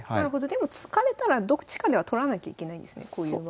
でも突かれたらどっちかでは取らなきゃいけないんですねこういう場合は。